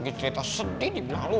lagi cerita sedih di belakang lu